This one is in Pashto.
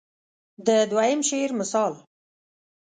د دوهم شعر مثال.